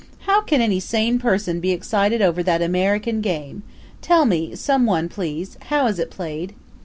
How can any sane person be excited over that American game? Tell me some one please how is it played?"